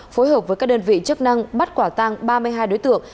phối hợp với các đơn vị chức năng bắt quả tang ba mươi hai đối tượng